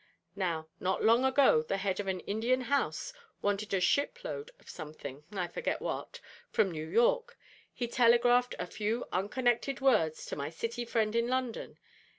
Now, not long ago the head of an Indian house wanted a ship load of something (I forget what) from New York. He telegraphed a few unconnected words to my City friend in London.